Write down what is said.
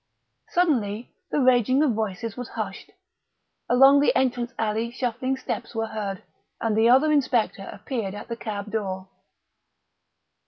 Suddenly the raging of voices was hushed. Along the entrance alley shuffling steps were heard, and the other inspector appeared at the cab door.